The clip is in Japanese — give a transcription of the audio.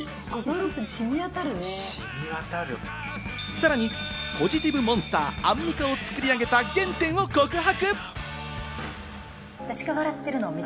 さらにポジティブモンスター・アンミカを作り上げた原点を告白！